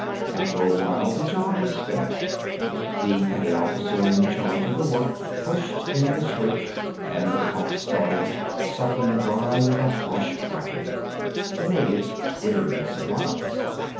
After a while, the job was finished. The petty officer in charge of the work pushed in the switch, and the pump started, sucking dry with a harsh racket. The natives twittered in surprise.